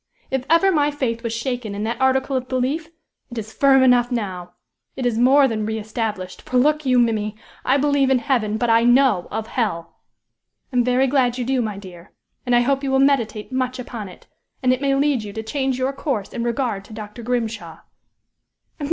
If ever my faith was shaken in that article of belief, it is firm enough now! It is more than re established, for, look you, Mimmy! I believe in heaven, but I know of hell!" "I'm very glad you do, my dear. And I hope you will meditate much upon it, and it may lead you to change your course in regard to Dr. Grimshaw."